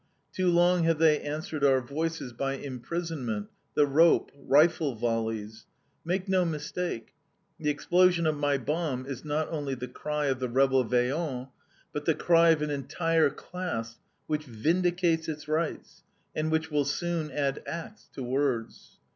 Too long have they answered our voices by imprisonment, the rope, rifle volleys. Make no mistake; the explosion of my bomb is not only the cry of the rebel Vaillant, but the cry of an entire class which vindicates its rights, and which will soon add acts to words.